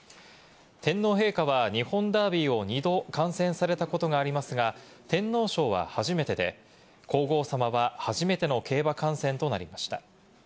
天皇陛下は日本ダービーを２度観戦されたことがありますが、天皇賞は初めてで、皇后さまは初めての競馬観戦となりました。